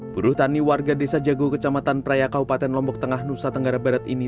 buruh tani warga desa jago kecamatan praya kabupaten lombok tengah nusa tenggara barat ini